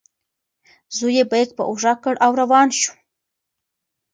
زوی یې بیک په اوږه کړ او روان شو.